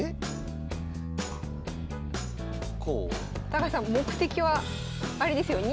高橋さん目的はあれですよ。